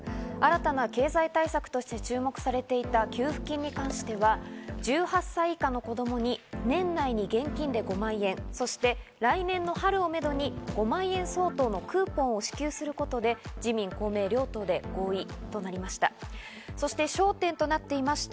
新たな経済対策として注目されていた給付金に関しては、１８歳以下の子供に年内に現金で５万円、そして来年の春をめどに５万円相当のクーポンを支給することで自民・公明両党で合意となりました。